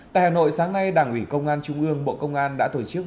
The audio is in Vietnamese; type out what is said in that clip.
tại hà nội sáng nay đảng ủy công an trung ương bộ công an đã tổ chức